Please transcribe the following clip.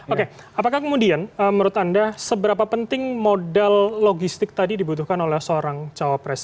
oke apakah kemudian menurut anda seberapa penting modal logistik tadi dibutuhkan oleh seorang cawapres